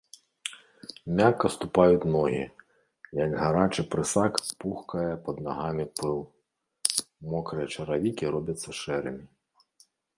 Мякка ступаюць ногі, як гарачы прысак пухкае пад нагамі пыл, мокрыя чаравікі робяцца шэрымі.